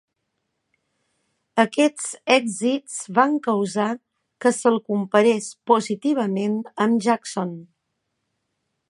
Aquests èxits van causar que se'l comparés positivament amb Jackson.